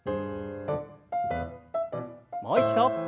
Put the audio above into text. もう一度。